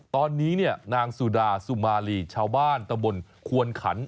ตอนนี้เนี่ยนางสุดาสุมารีชาวบ้านตะบนควนขัน